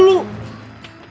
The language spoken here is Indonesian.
aisyah denger dulu